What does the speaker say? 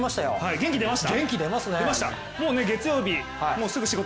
元気出ました？